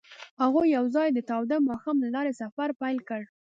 هغوی یوځای د تاوده ماښام له لارې سفر پیل کړ.